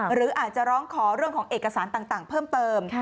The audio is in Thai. หรืออาจจะร้องขอเรื่องของเอกสารต่างเพิ่มเติม